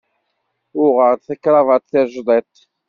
Uɣeɣ-d takravat tajḍiṭ.